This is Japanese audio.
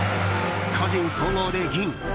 個人総合で銀。